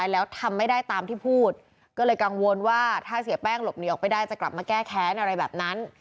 แล้วทำไม่ได้ตามที่พูดก็เลยกังวลว่าถ้าเสียแป้งหลบหนีออกไปได้จะกลับมาแก้แค้นอะไรแบบนั้น